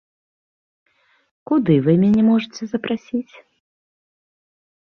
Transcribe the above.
Куды вы мяне можаце запрасіць?